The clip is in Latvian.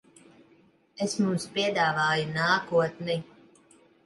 Es mums piedāvāju nākotni.